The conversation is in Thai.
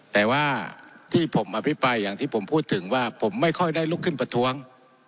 แต่ว่าที่ผมอภิปรายอย่างที่ผมพูดถึงว่าผมไม่ค่อยได้ลุกขึ้นประท้วง